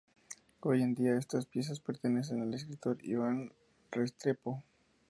Hoy en día, estas piezas pertenecen al escritor Iván Restrepo.